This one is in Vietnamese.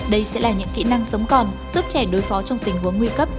đây sẽ là những kỹ năng sống còn giúp trẻ đối phó trong tình huống nguy cấp